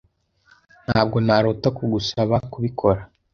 Ntabwo narota kugusaba kubikora.